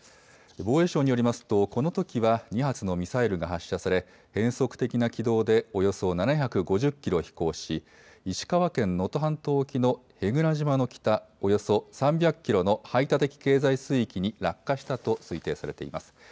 防衛省によりますと、このときは２発のミサイルが発射され、変則的な軌道でおよそ７５０キロ飛行し、石川県能登半島沖の舳倉島の北、およそ３００キロの排他的経済水域に落下したと推定されています。